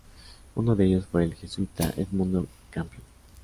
Uno de ellos fue el jesuita Edmundo Campion.